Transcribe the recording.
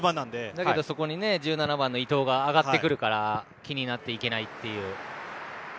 だけど１７番、伊藤が上がってくるから気になって行けないという。